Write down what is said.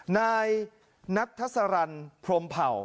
นายนัทสรรพรมเผ่า